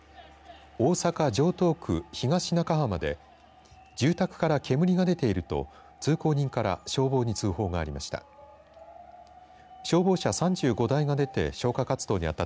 大阪、城東区東中浜で住宅から煙が出ていると通行人から消防に通報がありました。